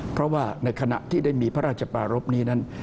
เพราะว่าในขณะที่ได้มีพระราชปารพนี้นั้น